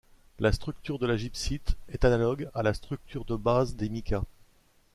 La structure de la gibbsite est analogue à la structure de base des micas.